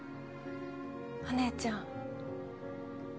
お姉ちゃん。